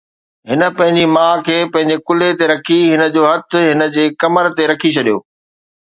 هن پنهنجي ماءُ کي پنهنجي ڪلهي تي رکي، هن جو هٿ هن جي کمر تي رکي ڇڏيو